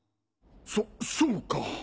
そそうか。